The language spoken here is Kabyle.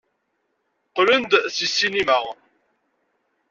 Qqlen-d seg ssinima.